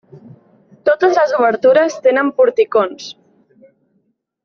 Totes les obertures tenen porticons.